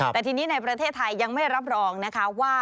แต่ทีนี้ในประเทศไทยยังไม่รับรองนะคะว่า